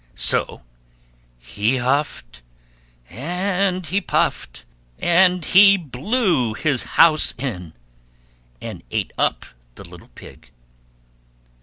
So he huffed and he puffed, and he blew his house in, and ate up the little Pig.